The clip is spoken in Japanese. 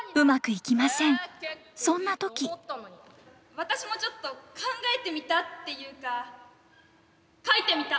私もちょっと考えてみたっていうか書いてみた。